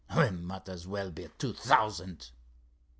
We might as well be two thousand."